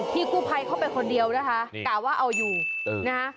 ที่กู้ภัยเขาเป็นคนเดียวนะคะกล่าว่าเอาอยู่นะ